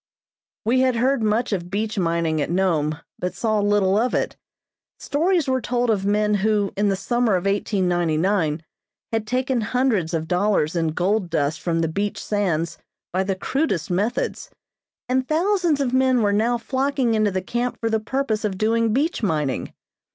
We had heard much of beach mining at Nome, but saw little of it. Stories were told of men who, in the summer of 1899, had taken hundreds of dollars in gold dust from the beach sands by the crudest methods, and thousands of men were now flocking into the camp for the purpose of doing beach mining.